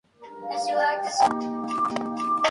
Es la secuela de la banda sonora de The Dark Knight.